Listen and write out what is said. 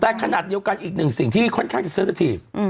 แต่ขนาดเดียวกันอีกหนึ่งสิ่งที่ค่อนข้างจะซื้อสักที